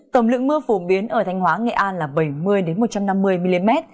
tổng lượng mưa phổ biến ở thanh hóa nghệ an là bảy mươi một trăm năm mươi mm